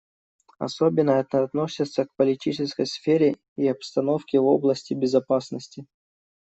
Особенно это относится к политической сфере и обстановке в области безопасности.